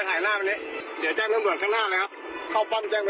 เข้าปั้มแจ้งเป็นหมวดข้างหน้าเลยไม่ต้องยุ่ง